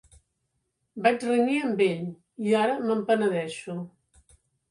Vaig renyir amb ell i ara me'n penedeixo.